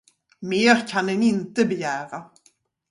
Mer kan en inte begära.